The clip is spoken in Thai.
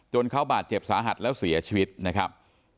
เขาบาดเจ็บสาหัสแล้วเสียชีวิตนะครับ